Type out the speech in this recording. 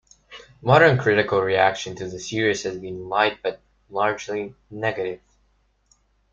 Modern critical reaction to the series has been light but largely negative.